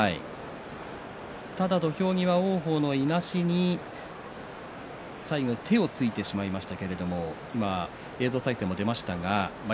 この土俵際、王鵬のいなしに最後、手をついてしまいました。